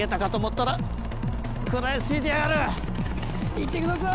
いってください！